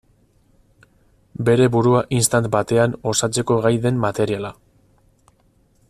Bere burua istant batean osatzeko gai den materiala.